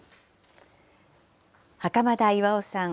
袴田巌さん